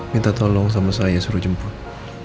minta tolong sama saya suruh jemput